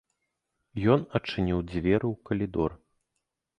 Ён адчыніў дзверы ў калідор.